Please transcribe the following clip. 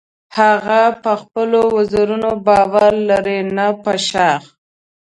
هغه په خپلو وزرونو باور لري نه په شاخ.